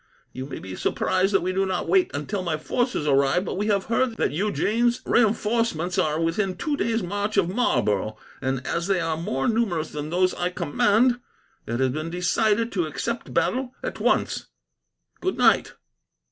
You may be surprised that we do not wait until my forces arrive, but we have heard that Eugene's reinforcements are within two days' march of Marlborough, and, as they are more numerous than those I command, it has been decided to accept battle at once. Good night."